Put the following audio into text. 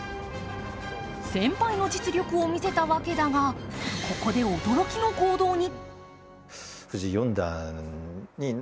先輩の実力を見せたわけだが、ここで驚きの行動に。